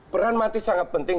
peran matic sangat penting